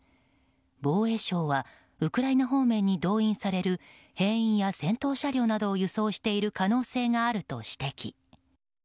防衛省はウクライナ方面に動員される兵員や戦闘車両などを輸送している可能性があると指摘。